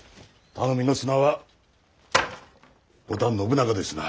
頼みの綱は織田信長ですな。